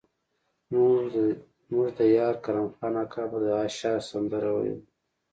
زموږ د ديار کرم خان اکا به د اشر سندره ويله.